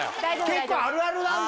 結構あるあるなんだ？